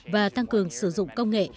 và tăng cường sử dụng công nghệ